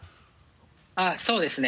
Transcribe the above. はいそうですね